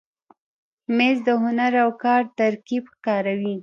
مېز د هنر او کار ترکیب ښکاروي.